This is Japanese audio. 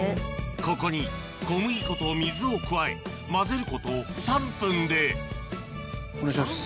ここに小麦粉と水を加え混ぜること３分でお願いします。